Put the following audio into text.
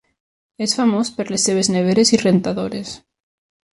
És famós per les seves neveres i rentadores.